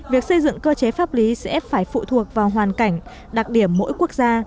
việc xây dựng cơ chế pháp lý sẽ phải phụ thuộc vào hoàn cảnh đặc điểm mỗi quốc gia